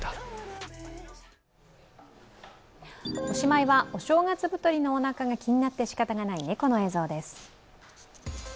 おしまいは、お正月太りのおなかが気になってしかたがない猫の映像です。